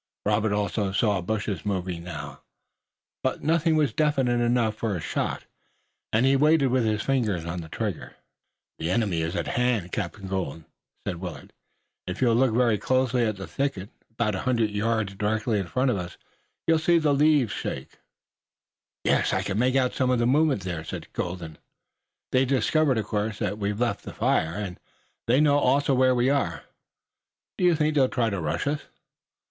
Robert also saw bushes moving now, but nothing was definite enough for a shot, and he waited with his fingers on the trigger. "The enemy is at hand, Captain Colden," said Willet. "If you will look very closely at the thicket about one hundred yards directly in front of us you'll see the leaves shaking." "Yes, I can make out some movement there," said Colden. "They've discovered, of course, that we've left the fire, and they know also where we are." "Do you think they'll try to rush us?"